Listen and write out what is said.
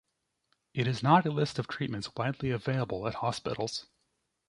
It is not a list of treatments widely available at hospitals.